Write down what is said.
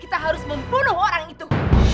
kita harus membunuh orang itu